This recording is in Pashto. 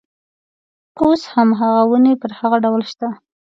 اوس هم هغه ونې پر هغه ډول شته.